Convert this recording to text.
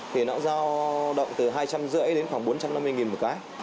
thì nó giao động từ hai trăm năm mươi đến khoảng bốn trăm năm mươi một cái